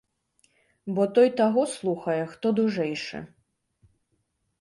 Бо той таго слухае, хто дужэйшы.